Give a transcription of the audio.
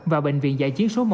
và bệnh viện giải chiến số một